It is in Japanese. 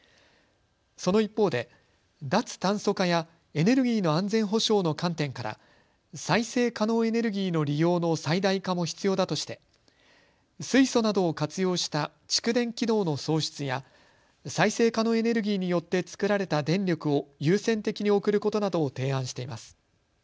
その一方で、脱炭素化やエネルギーの安全保障の観点から再生可能エネルギーの利用の最大化も必要だとして水素などを活用した蓄電機能の創出や再生可能エネルギーによって作られた電力を優先的に送ることなどを提案しています。